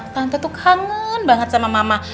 tante tuh kangen banget sama mama